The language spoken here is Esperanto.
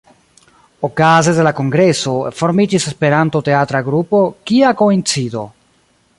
Okaze de la kongreso formiĝis Esperanto-teatra grupo "Kia koincido".